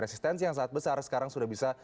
resistensi yang sangat besar sekarang sudah bisa